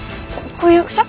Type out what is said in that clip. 婚約者？